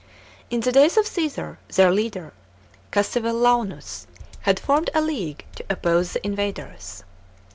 In the days of Csesar, their leader, Cassivel launus, had formed a league to oppose the invaders.